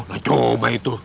nah coba itu